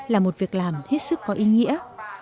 là một việc làm thiết sức có ý nghĩa